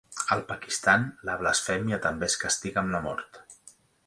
Al Pakistan la blasfèmia també es castiga amb la mort.